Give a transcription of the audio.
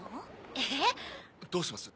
えっ？どうします？